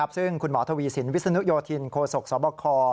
ซึ่งคุณหมอทวีสินวิศนุโยธินโคศกสบค